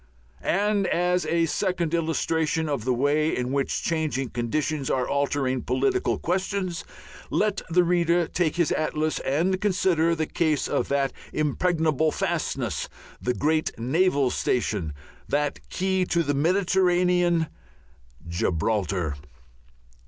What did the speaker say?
And as a second illustration of the way in which changing conditions are altering political questions, let the reader take his atlas and consider the case of that impregnable fastness, that great naval station, that Key to the Mediterranean, Gibraltar.